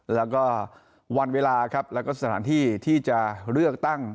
แล้วก็วันเวลาครับแล้วก็สถานที่ที่จะเลือกตั้ง